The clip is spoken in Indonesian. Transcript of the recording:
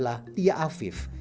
salah satunya adalah tia afif